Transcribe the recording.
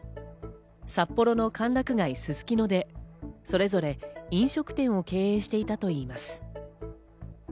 札幌の歓楽街・すすきのでそれぞれ飲食店を経営していたといいます。